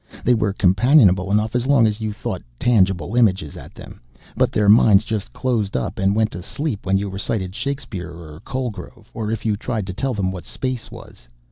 They were companionable enough as long as you thought tangible images at them, but their minds just closed up and went to sleep when you recited Shakespeare or Colegrove, or if you tried to tell them what space was.